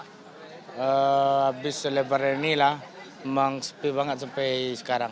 abang abis lebaran ini lah memang sepi banget sampai sekarang